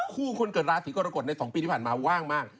คู่คนนี่กุรกรกฎใน๒ปีที่ผ่านมาว่างมาก